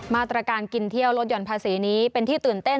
มาตรการกินเที่ยวลดห่อนภาษีนี้เป็นที่ตื่นเต้น